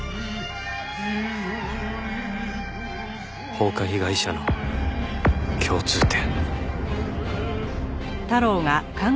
放火被害者の共通点